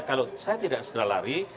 kalau saya tidak segera lari